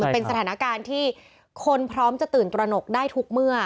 เป็นสถานการณ์ที่คนพร้อมจะตื่นตระหนกได้ทุกเมื่อ